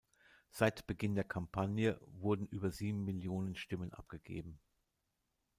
Seit Beginn der Kampagne wurden über sieben Millionen Stimmen abgegeben.